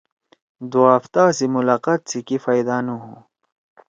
دُو ہفتا سی ملاقات سی کی فائدہ نہ ہُو